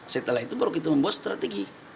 setelah itu baru kita membuat strategi